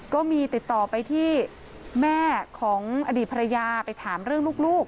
ก็มีติดต่อไปที่แม่ของอดีตภรรยาไปถามเรื่องลูก